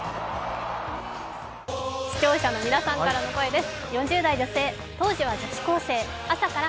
視聴者の皆さんからの声です。